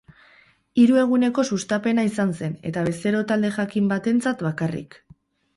Hiru eguneko sustapena izan zen, eta bezero talde jakin batentzat bakarrik.